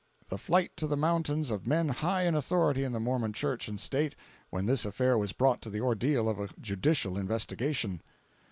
The flight to the mountains of men high in authority in the Mormon Church and State, when this affair was brought to the ordeal of a judicial investigation.